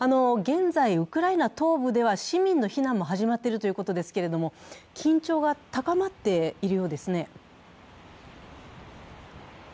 現在、ウクライナ東部では市民の避難も始まっているということですけれども、緊張が高まっているようですね。